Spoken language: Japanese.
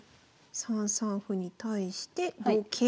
３三歩に対して同桂。